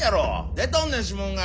出とんねん指紋が！